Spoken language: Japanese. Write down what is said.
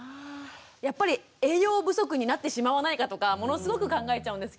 やっぱり栄養不足になってしまわないかとかものすごく考えちゃうんですけど。